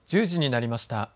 １０時になりました。